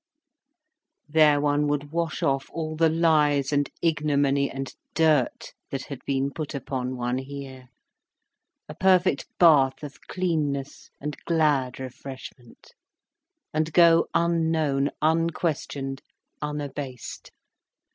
There one would wash off all the lies and ignominy and dirt that had been put upon one here, a perfect bath of cleanness and glad refreshment, and go unknown, unquestioned, unabased.